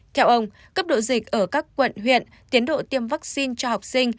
theo ông cấp độ dịch ở các quận huyện tiến độ tiêm vaccine cho học sinh